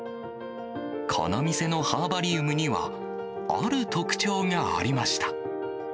この店のハーバリウムには、ある特徴がありました。